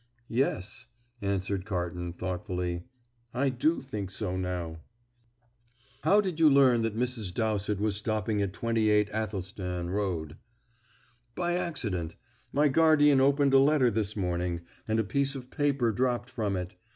"Yes," answered Carton thoughtfully, "I do think so now." "How did you learn that Mrs. Dowsett was stopping at 28 Athelstan Road?" "By accident. My guardian opened a letter this morning, and a piece of paper dropped from it.